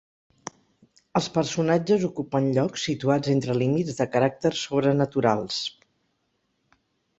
Els personatges ocupen llocs situats entre límits de caràcter sobrenaturals.